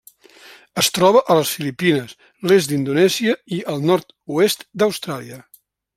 Es troba a les Filipines, l'est d'Indonèsia i el nord-oest d'Austràlia.